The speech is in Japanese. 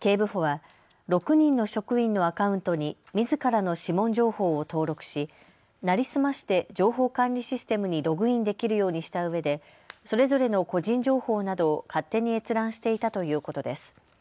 警部補は６人の職員のアカウントにみずからの指紋情報を登録し成り済まして情報管理システムにログインできるようにしたうえでそれぞれの個人情報などを勝手に閲覧していたということです。